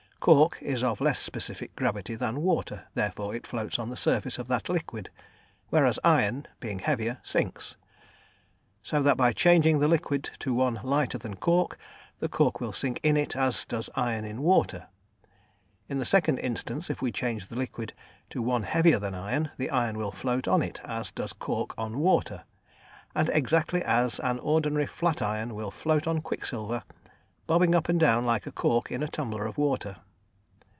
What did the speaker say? Cork is of less specific gravity than water, therefore it floats on the surface of that liquid, whereas iron, being heavier, sinks. So that by changing the liquid to one lighter than cork, the cork will sink in it as does iron in water; in the second instance, if we change the liquid to one heavier than iron, the iron will float on it as does cork on water, and exactly as an ordinary flat iron will float on quicksilver, bobbing up and down like a cork in a tumbler of water.